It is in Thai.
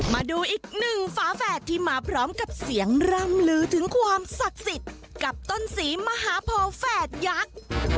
มาดูอีกหนึ่งฝาแฝดที่มาพร้อมกับเสียงร่ำลือถึงความศักดิ์สิทธิ์กับต้นศรีมหาโพแฝดยักษ์